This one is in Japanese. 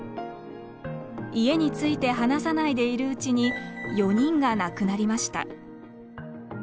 家について話さないでいるうちに４人が亡くなりました。